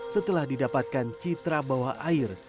setelah didapatkan citra bawah air